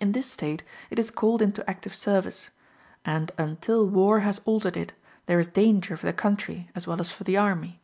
In this state it is called into active service; and until war has altered it, there is danger for the country as well as for the army.